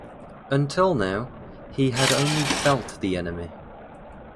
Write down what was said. Until now, he had only felt the enemy.